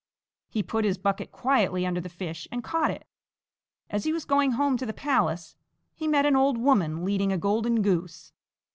He put his bucket quietly under the fish and caught it. As he was going home to the palace, he met an old woman leading a golden goose.